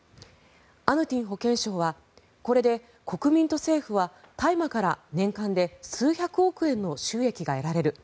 アヌティン保健相はこれで国民と政府は大麻から、年間で数百億円の収益が得られる。